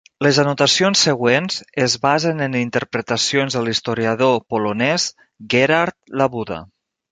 Les anotacions següents es basen en interpretacions de l'historiador polonès Gerard Labuda.